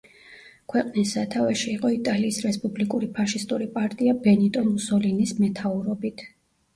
ქვეყნის სათავეში იყო იტალიის რესპუბლიკური ფაშისტური პარტია ბენიტო მუსოლინის მეთაურობით.